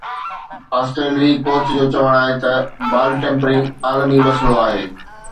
آسٽريلوي ڪوچ جو چوڻ آهي ته بال ٽيمپرنگ عالمي مسئلو آهي